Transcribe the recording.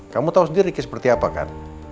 kamu tahu sendiri ricky seperti apa kan